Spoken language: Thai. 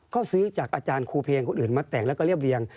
ก็ซื้อจากอาจารย์ครูเพลงคนอื่นมาแต่งแล้วก็เรียบเรียง